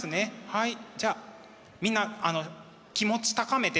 はいじゃあみんな気持ち高めて。